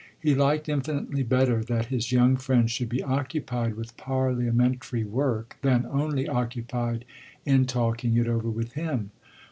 He liked infinitely better that his young friend should be occupied with parliamentary work than only occupied in talking it over with him.